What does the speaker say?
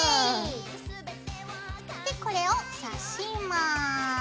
でこれをさします。